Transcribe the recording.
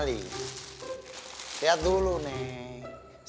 lihat dulu neng